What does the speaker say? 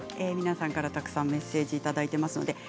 皆さんから、たくさんメッセージいただいています。